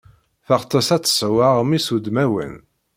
Teɣtes ad tesɛu aɣmis udmawan.